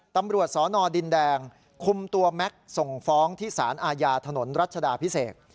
ตำรวจสนดินแดงคุมตัวแม็กซ์ส่งฟ้องที่สารอาญาถนนรัชดาพิเศษ